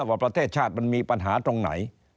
ว่าประเทศชาติมันมีปัญหาตรงไหน